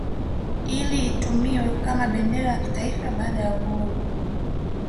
Ili itumiwe kama bendera ya kitaifa baada ya uhuru